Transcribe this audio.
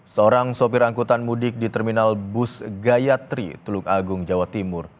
seorang sopir angkutan mudik di terminal bus gayatri tulung agung jawa timur